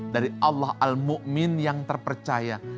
dari allah al mu'min yang terpercaya